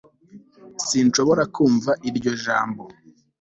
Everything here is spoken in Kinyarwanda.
sinshobora kumva iryo jambo